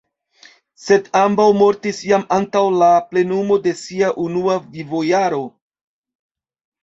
Sed ambaŭ mortis jam antaŭ la plenumo de sia unua vivojaro.